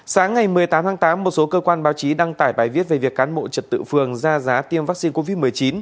sáng ngày một mươi tám tháng tám một số cơ quan báo chí đăng tải bài viết về việc cán bộ trật tự phường ra giá tiêm vaccine covid một mươi chín